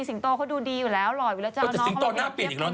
สิงโตเขาดูดีอยู่แล้วรอดไว้แล้วจากน้องเขามันแพร่เทียบไปไหน